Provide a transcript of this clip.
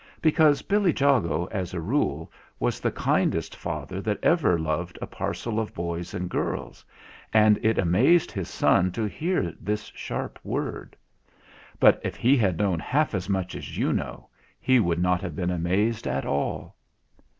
Because Billy Jago, as a rule, was the kindest father that ever loved a parcel of boys and girls; and it amazed his son to hear this sharp word. But if he had known half as much as you know, he would not have been amazed at all.